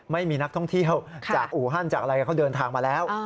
ไม่มีนักท่องเที่ยวจากอู่ฮั่นจากอะไรเขาเดินทางมาแล้ว